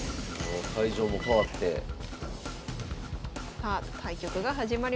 さあ対局が始まりました。